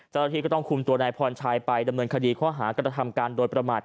เจ้าหน้าที่ก็ต้องคุมตัวนายพรชัยไปดำเนินคดีข้อหากระทำการโดยประมาท